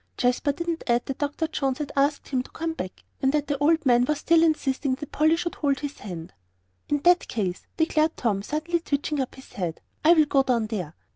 Jasper didn't add that Dr. Jones had asked him to come back, and that the old man was still insisting that Polly should hold his hand. "In that case," declared Tom, suddenly twitching up his head, "I will go down there."